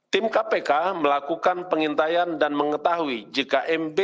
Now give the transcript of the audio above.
tim kpk melakukan pengintaian dan mengetahuinya